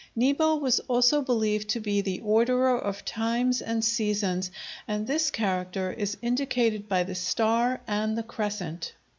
Nebo was also believed to be the orderer of times and seasons, and this character is indicated by the star and the crescent.